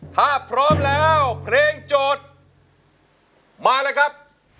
ถ้าพร้อมแล้วเพลงโจทย์มาเลยครับ